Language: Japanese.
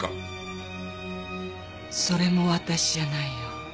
それも私じゃないよ。